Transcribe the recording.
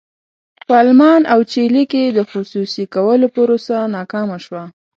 په المان او چیلي کې د خصوصي کولو پروسه ناکامه شوه.